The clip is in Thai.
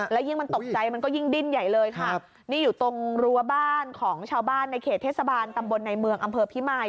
แล้วยิ่งมันตกใจมันก็ยิ่งดิ้นใหญ่เลยค่ะนี่อยู่ตรงรั้วบ้านของชาวบ้านในเขตเทศบาลตำบลในเมืองอำเภอพิมาย